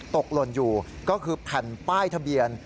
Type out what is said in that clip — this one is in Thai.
หล่นอยู่ก็คือแผ่นป้ายทะเบียน